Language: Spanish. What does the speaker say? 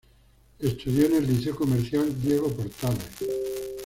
Estudió en el Liceo Comercial "Diego Portales".